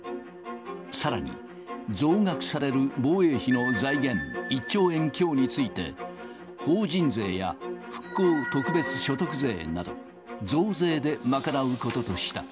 さらに、増額される防衛費の財源、１兆円強について、法人税や復興特別所得税など、増税で賄うこととした。